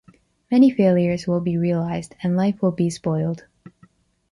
Many failures will be realised and life will be spoiled